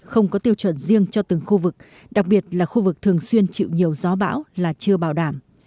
không có tiêu chuẩn riêng cho từng khu vực đặc biệt là khu vực thường xuyên chịu nhiều gió bão là chưa bảo đảm